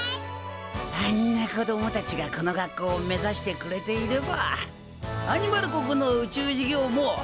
あんな子供たちがこの学校を目指してくれていればアニマル国の宇宙事業も安心だな。